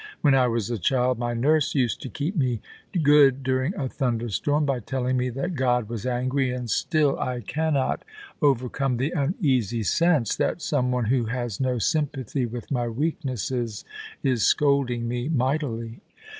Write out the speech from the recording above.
When I was a child, my nurse used to keep me good during a thunder storm by telling me that God was angry, and still I cannot 3 ^ 34 POLICY AND PASSION. overcome the uneasy sense that some one who has no sympathy with my weaknesses is scolding me mightily.'